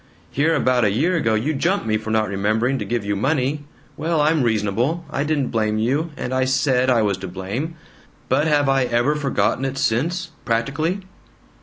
Here about a year ago you jump me for not remembering to give you money. Well, I'm reasonable. I didn't blame you, and I SAID I was to blame. But have I ever forgotten it since practically?"